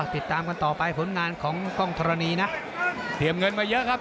ติดตามกันต่อไปผลงานของกล้องธรณีนะเตรียมเงินมาเยอะครับ